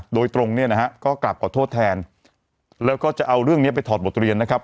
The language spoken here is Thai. โดยตรงเนี่ยนะฮะก็กลับขอโทษแทนแล้วก็จะเอาเรื่องนี้ไปถอดบทเรียนนะครับ